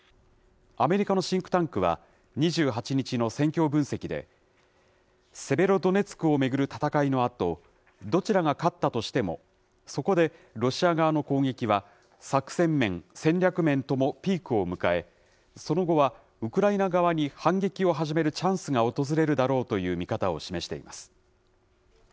アメリカのシンクタンクは、２８日の戦況分析で、セベロドネツクを巡る戦いのあと、どちらが勝ったとしても、そこで、ロシア側の攻撃は作戦面、戦略面ともピークを迎え、その後はウクライナ側に反撃を始めるチャンスが訪れるだろうという見方を示しています。